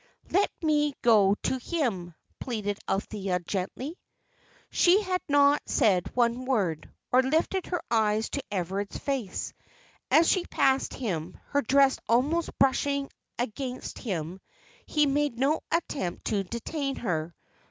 "Let me go to him!" pleaded Althea, gently. She had not said one word, or lifted her eyes to Everard's face. As she passed him, her dress almost brushing against him, he made no attempt to detain her.